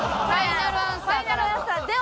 「ファイナルアンサー」からの。